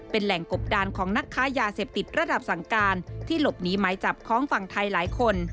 เป็นแหล่งกบดานของนักค้ายาเสพติดระดับสั่งการที่หลบหนีหมายจับของฝั่งไทยหลายคน